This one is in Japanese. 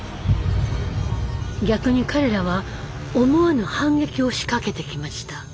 逆に彼らは思わぬ反撃を仕掛けてきました。